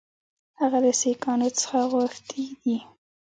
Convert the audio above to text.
هغه له سیکهانو څخه غوښتي دي.